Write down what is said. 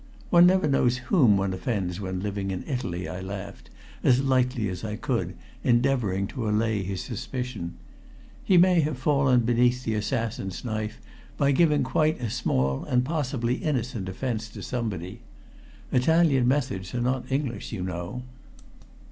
"One never knows whom one offends when living in Italy," I laughed, as lightly as I could, endeavoring to allay his suspicion. "He may have fallen beneath the assassin's knife by giving quite a small and possibly innocent offense to somebody. Italian methods are not English, you know."